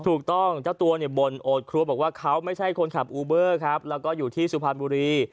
ถูกต้องเจ้าตัวบนโอดครัวบอกว่าเขาไม่ได้แค่คนขาบอูเบอร์และอยู่ที่สุพรรณบุรี